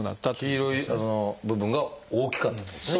黄色い部分が大きかったってことですね。